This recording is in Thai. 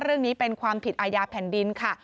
เรื่องนี้เป็นความผิดอาญาแผ่นดินค่ะ